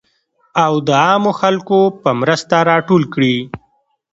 او د عامو خلکو په مرسته راټول کړي .